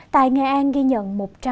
tại nghệ an ghi nhận một trăm linh ba